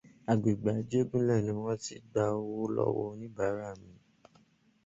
Agbègbè Ajégúnlẹ̀ ni wọ́n ti gba owó lọ́wọ́ oníbàárà mi.